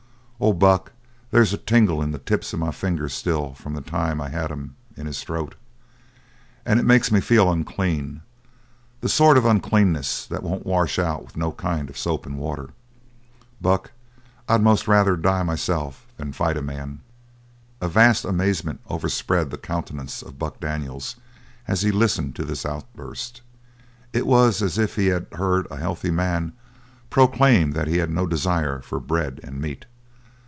Oh, Buck, they's a tingle in the tips of my fingers still from the time I had 'em in his throat. And it makes me feel unclean the sort of uncleanness that won't wash out with no kind of soap and water. Buck, I'd most rather die myself than fight a man!" A vast amazement overspread the countenance of Buck Daniels as he listened to this outburst; it was as if he had heard a healthy man proclaim that he had no desire for bread and meat.